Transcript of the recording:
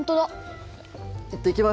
行ってきます。